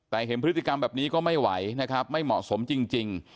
แต่เห็นพฤติกรรมแบบนี้ก็ไม่ไหวนะครับไม่เหมาะสมจริง